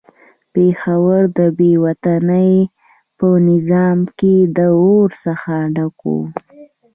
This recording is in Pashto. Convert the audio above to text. پېښور د بې وطنۍ په زمانه کې د اور څخه ډک وو.